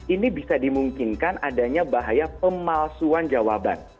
ini bisa dimungkinkan adanya bahaya pemalsuan jawaban